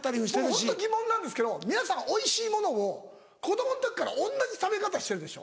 ホント疑問なんですけど皆さんおいしいものを子供の時から同じ食べ方してるでしょ。